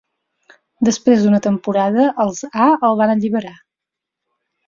Després d'una temporada, els A el van alliberar.